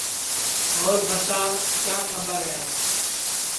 اور بھتاو کیا کھٻر ہے